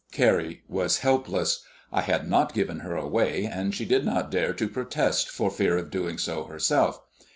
Carrie was helpless. I had not given her away, and she did not dare to protest for fear of doing so herself.